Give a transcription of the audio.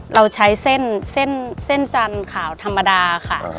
เราใช้เส้นจันทร์ขาวธรรมดาค่ะ